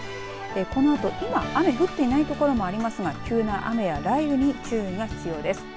このあと今、雨降っていない所もありますが急な雨や雷雨に注意が必要です。